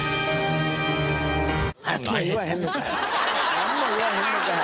なんも言わへんのかい！